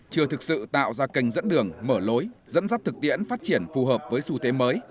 chưa thực sự tạo ra kênh dẫn đường mở lối dẫn dắt thực tiễn phát triển phù hợp với xu thế mới